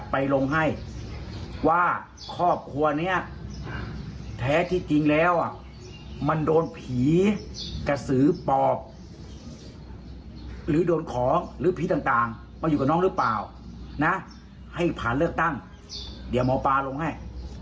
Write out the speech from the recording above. โปรดติดตามตอนต่อไป